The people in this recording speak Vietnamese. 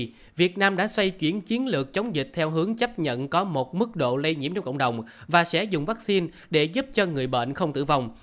vì vậy việt nam đã xoay chuyển chiến lược chống dịch theo hướng chấp nhận có một mức độ lây nhiễm trong cộng đồng và sẽ dùng vaccine để giúp cho người bệnh không tử vong